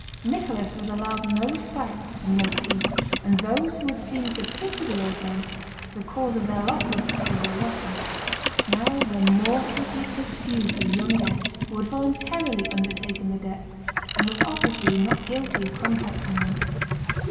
Nicholas was allowed no respite and no peace, and those who had seemed to pity the old man—the cause of their losses (if they were losses)—now remorselessly pursued the young heir who had voluntarily undertaken the debts and was obviously not guilty of contracting them.